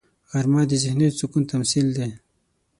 غرمه د ذهني سکون تمثیل دی